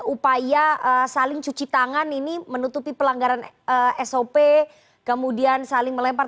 upaya saling cuci tangan ini menutupi pelanggaran sop kemudian saling melempar